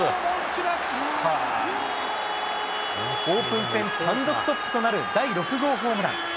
オープン戦単独トップとなる第６号ホームラン。